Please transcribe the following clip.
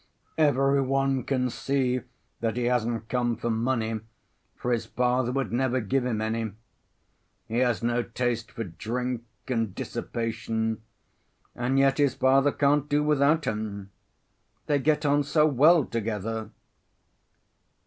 Every one can see that he hasn't come for money, for his father would never give him any. He has no taste for drink and dissipation, and yet his father can't do without him. They get on so well together!"